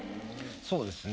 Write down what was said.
そうですね。